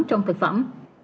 trong thực phẩm